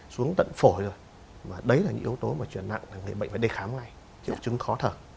đó là những yếu tố chuyển nặng mà người bệnh phải đề khám ngay triệu chứng khó thở